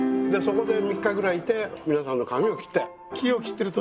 でそこで３日ぐらいいて皆さんの髪を切って。